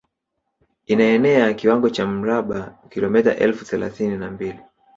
Inaenea kiwango cha mraba kilometa elfu thelathini na mbili